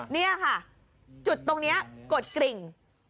นี่ค่ะจุดตรงนี้กดกริ่ง